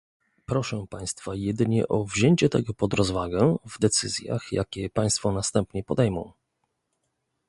Proszę państwa jedynie o wzięcie tego pod rozwagę w decyzjach, jakie państwo następnie podejmą